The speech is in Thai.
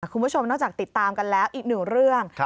คุณผู้ชมนอกจากติดตามกันแล้วอีกหนึ่งเรื่อง